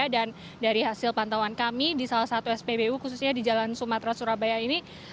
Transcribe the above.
dan dari hasil pantauan kami di salah satu spbu khususnya di jalan sumatera surabaya ini